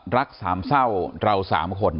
รัก๓เศร้าเรา๓คน